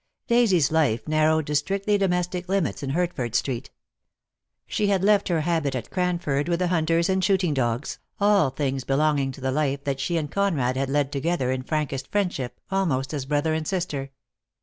Daisy's life narrowed to strictly domestic limits in Hertford Street. She had left her habit at Cranford with the hunters and shooting dogs, the mallets and billiard balls, all things belonging to the life that she and Conrad had led together, in frankest friendship, almost as brother and sister.